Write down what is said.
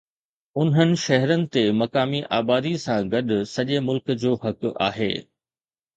انهن شهرن تي مقامي آبادي سان گڏ سڄي ملڪ جو حق آهي.